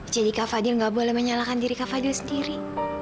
jadi kak fadil gak boleh menyalahkan diri kak fadil sendiri